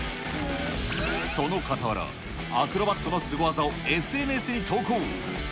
そのかたわら、アクロバットのスゴ技をＳＮＳに投稿。